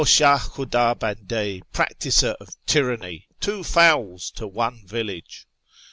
" 0 Shah Khuda bancle, practiser of tyranny, two fowls to one village